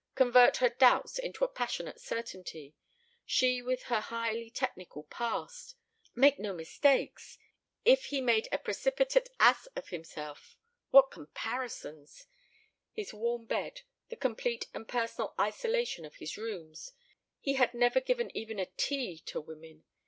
Convert her doubts into a passionate certainty? She, with her highly technical past! Make no mistakes? If he made a precipitate ass of himself what comparisons! ... His warm bed ... the complete and personal isolation of his rooms ... he had never given even a tea to women